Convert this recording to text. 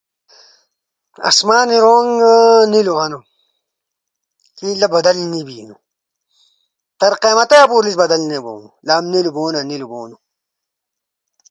اسمان رو۔ نگ نیلو ہنو۔ لا بدل نی بینو لا نیل بونا نیل بینو لا بدل نی بینو۔ الاہ کورومی ہنے لسدر اوسو انگولی نی دونہ